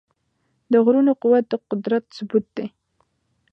د غرونو قوت د قدرت ثبوت دی.